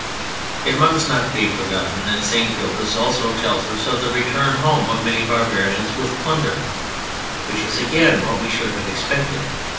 It must not be forgotten that St. Gildas also tells us of the return home of many barbarians with plunder (which is again what we should have expected).